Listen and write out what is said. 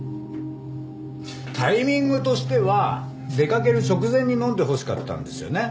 タイミングとしては出かける直前に飲んでほしかったんですよね？